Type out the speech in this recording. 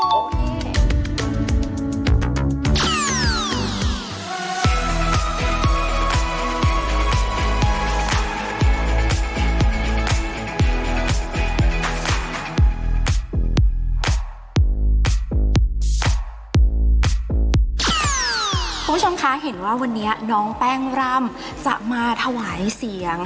คุณผู้ชมคะเห็นว่าวันนี้น้องแป้งร่ำจะมาถวายเสียง